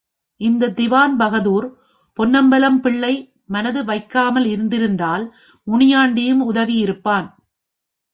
இந்தத் திவான்பகதூர் பொன்னம்பலம்பிள்ளை மனது வைக்காமல் இருந்திருந்தால், முனியாண்டியும் உதவியிருப்பான்!